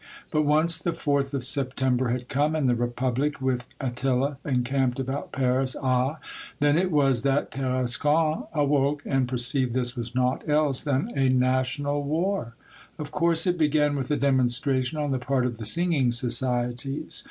But once the Fourth of September had come and the Republic, with Attila encamped about Paris, ah ! then it was that Tarascon awoke, and perceived this was naught else than a national war ! Of course it began with a demonstration on the part of the Singing Socie ties.